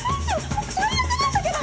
もう最悪なんだけど！